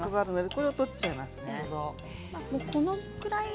これを取っちゃいましょう。